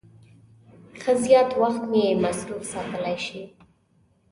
ښه زیات وخت مې مصروف ساتلای شي.